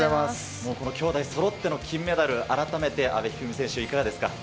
もう、この兄妹そろっての金メダル、改めて阿部一二三選手、いかがですか。